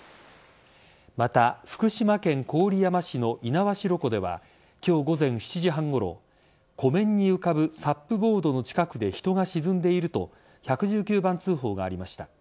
また福島県郡山市の猪苗代湖では今日午前７時半ごろ湖面に浮かぶサップボードの近くで人が沈んでいると１１９番通報がありました。